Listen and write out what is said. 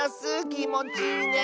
きもちいいね。